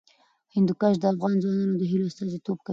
هندوکش د افغان ځوانانو د هیلو استازیتوب کوي.